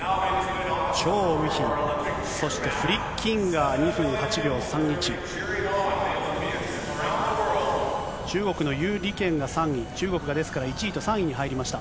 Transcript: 張雨霏、そしてフリッキンガー、２分８秒３１、中国の兪李ケンが３位、中国がですから１位と３位に入りました。